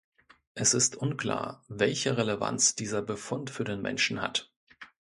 Es ist unklar, welche Relevanz dieser Befund für den Menschen hat.